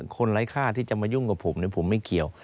ไร้ค่าที่จะมายุ่งกับผมผมไม่เกี่ยว